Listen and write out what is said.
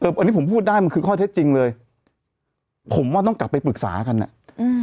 อันนี้ผมพูดได้มันคือข้อเท็จจริงเลยผมว่าต้องกลับไปปรึกษากันอ่ะอืม